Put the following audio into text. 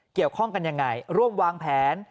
เกี่ยวข้องกันยังไงร่วมวางแผน